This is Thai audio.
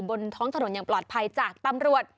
บนท้องถนนอย่างปลอดภัยจากตำรวจ